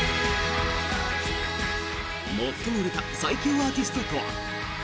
最も売れた最強アーティストとは？